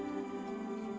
setiap senulun buat